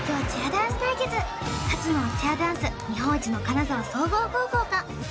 勝つのはチアダンス日本一の金沢総合高校か？